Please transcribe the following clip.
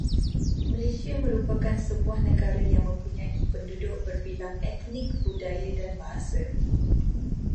Malaysia merupakan sebuah negara yang mempunyai penduduk berbilang etnik, budaya dan bahasa